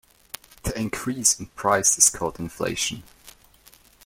This increase in price is called inflation.